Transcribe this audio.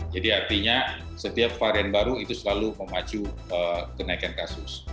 jadi artinya setiap varian baru itu selalu memacu kenaikan kasus